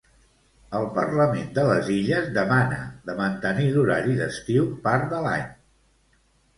El Parlament de les Illes demana de mantenir l'horari d'estiu part de l'any.